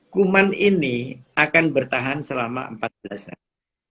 kuman ini akan bertahan selama empat belas hari